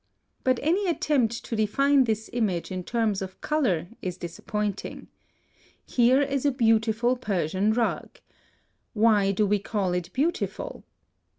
But any attempt to define this image in terms of color is disappointing. Here is a beautiful Persian rug: why do we call it beautiful?